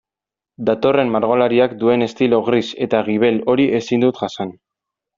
Datorren margolariak duen estilo gris eta gibel hori ezin dut jasan.